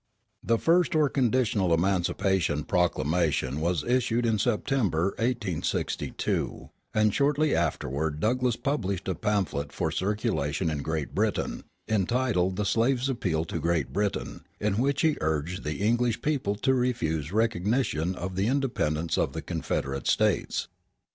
The first or conditional emancipation proclamation was issued in September, 1862; and shortly afterward Douglass published a pamphlet for circulation in Great Britain, entitled The Slave's Appeal to Great Britain, in which he urged the English people to refuse recognition of the independence of the Confederate States.